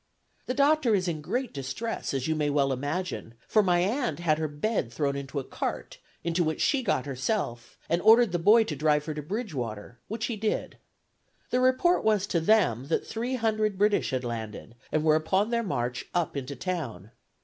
The Dr. is in great distress, as you may well imagine, for my aunt had her bed thrown into a cart, into which she got herself, and ordered the boy to drive her to Bridgewater, which he did. The report was to them that three hundred British had landed, and were upon their march up into town.